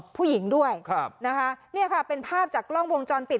ผู้หญิงด้วยครับนะคะเนี่ยค่ะเป็นภาพจากกล้องวงจรปิด